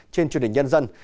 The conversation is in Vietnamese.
trên chương trình nhân dân